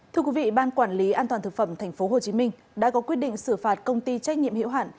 thưa quý vị ban quản lý an toàn thực phẩm tp hcm đã có quyết định xử phạt công ty trách nhiệm hiệu hạn